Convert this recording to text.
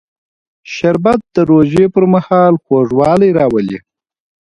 شربت د روژې پر مهال خوږوالی راولي